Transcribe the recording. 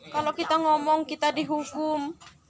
kalau kita ngomong kita dihukum